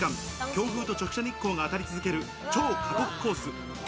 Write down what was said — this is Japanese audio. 強風と直射日光が当たり続ける、超過酷コース。